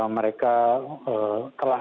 mereka telah berjalan